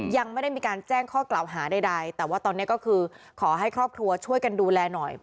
ยังไม่ได้มีการแจ้งข้อกล่าวหาใดแต่ว่าตอนนี้ก็คือขอให้ครอบครัวช่วยกันดูแลหน่อย